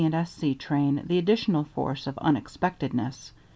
train the additional force of unexpectedness.